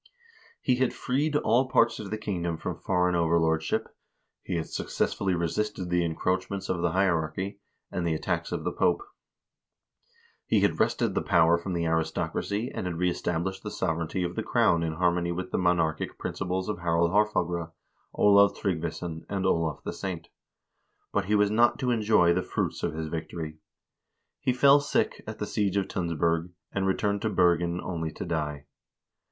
He had freed all parts of the kingdom from foreign overlordship ; he had successfully resisted the encroachments of the hierarchy, and the attacks of the Pope ; he had wrested the power from the aristocracy, and had reestablished the sovereignty of the crown in harmony with the monarchic principles of Harald Haarfagre, Olav Tryggvason, and Olav the Saint; but he was not to enjoy the fruits of his victory. He fell sick at the siege of Tunsberg, and returned to Bergen only to die.